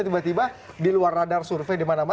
tiba tiba di luar radar survei di mana mana